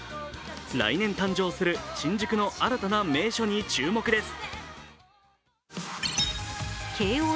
来年誕生する、新宿の新たな名所に注目です。